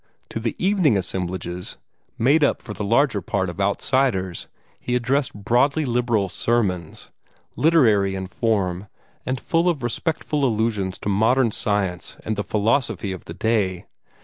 To the evening assemblages, made up for the larger part of outsiders, he addressed broadly liberal sermons, literary in form, and full of respectful allusions to modern science and the philosophy of the day.